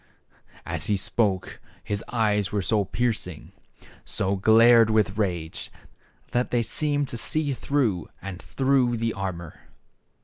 And as he spoke his eyes were so piercing, and glared so with rage, that they seemed to see through and through the armor.